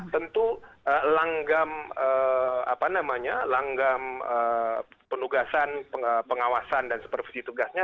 tentu langgam langgam penugasan pengawasan dan supervisi tugasnya